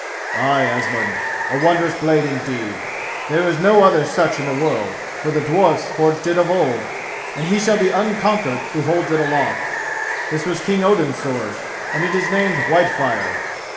"Ay, Asmund, a wondrous blade indeed. There is no other such in the world, for the dwarfs forged it of old, and he shall be unconquered who holds it aloft. This was King Odin's sword, and it is named Whitefire.